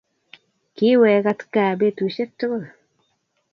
Kiwekat gaa betusiek tugul.